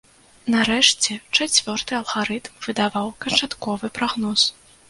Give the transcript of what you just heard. Нарэшце, чацвёрты алгарытм выдаваў канчатковы прагноз.